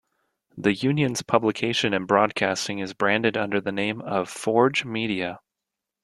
The union's publication and broadcasting is branded under the name of Forge Media.